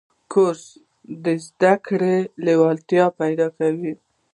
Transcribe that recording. کورس د زده کړو لیوالتیا پیدا کوي.